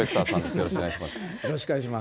よろしくお願いします。